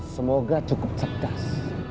semoga cukup cerdas